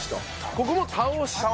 ここも倒して。